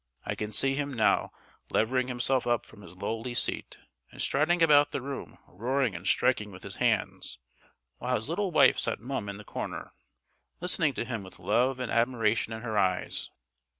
I can see him now levering himself up from his lowly seat, and striding about the room roaring and striking with his hands, while his little wife sat mum in the corner, listening to him with love and admiration in her eyes.